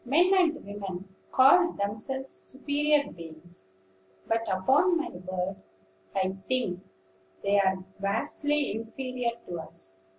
"Men and women call themselves superior beings; but, upon my word, I think they are vastly inferior to us.